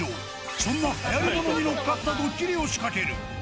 そんなはやりものに乗っかったドッキリを仕掛ける。